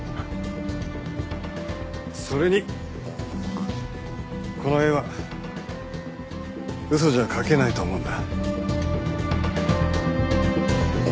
それにこの絵は嘘じゃ描けないと思うんだ。